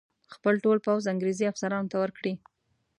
خپل ټول پوځ انګرېزي افسرانو ته ورکړي.